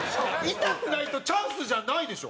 痛くないとチャンスじゃないでしょ？